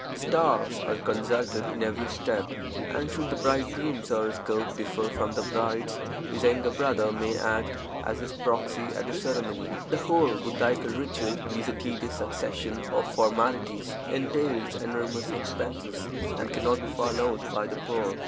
The stars are consulted in every step, and should the bridegroom's horoscope differ from the bride's, his younger brother may act as his proxy at the ceremony. The whole Buddhaical ritual is a tedious succession of formalities, entails enormous expenses, and can not be followed by the poor.